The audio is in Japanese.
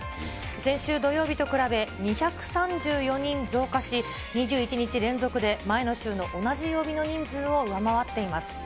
先週土曜日と比べ、２３４人増加し、２１日連続で前の週の同じ曜日の人数を上回っています。